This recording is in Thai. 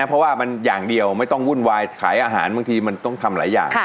เพราะว่ามันอย่างเดียวไม่ต้องวุ่นวายขายอาหารบางทีมันต้องทำหลายอย่าง